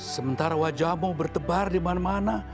sementara wajahmu bertebar di mana mana